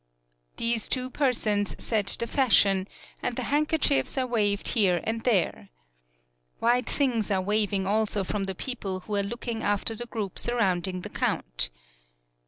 These two persons set the fashion, and the handkerchiefs are waved here and there. White things are waving also from the people who are looking after the group surrounding the count.